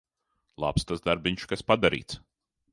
Labs tas darbiņš, kas padarīts.